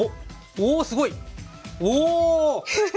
おすごい！